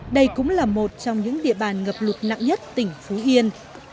đây cũng là một trong những địa bàn ngập lụt nặng nhất tỉnh phú yên